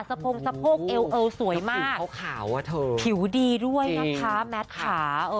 สะพงสะโพกเอวสวยมากผิวดีด้วยนะคะแมทขา